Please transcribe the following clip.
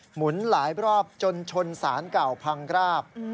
หมุนหลายรอบจนชนสารเก่าพังราบ